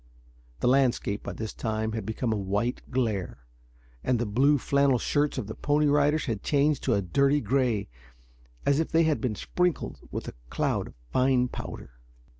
The landscape, by this time, had become a white glare, and the blue flannel shirts of the Pony Riders had changed to a dirty gray as if they had been sprinkled with a cloud of fine powder.